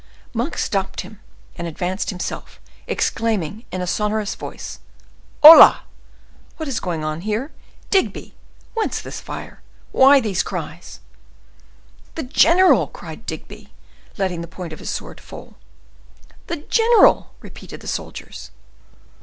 Monk stopped him and advanced himself, exclaiming, in a sonorous voice: "Hola! what is going on here? Digby, whence this fire? why these cries?" "The general!" cried Digby, letting the point of his sword fall. "The general!" repeated the soldiers.